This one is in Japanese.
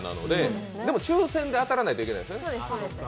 でも抽選で当たらないといけないですね。